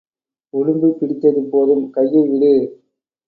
உடும்பு பிடித்தது போதும் கையை விடு.